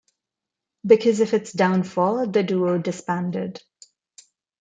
Because of its downfall, the duo disbanded.